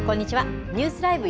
ニュースＬＩＶＥ！